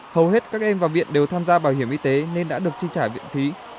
hầu hết các em vào viện đều tham gia bảo hiểm y tế nên đã được chi trả viện phí